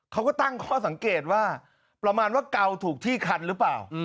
เขาก็ตั้งข้อสังเกตว่าประมาณว่าเกาถูกที่คันหรือเปล่า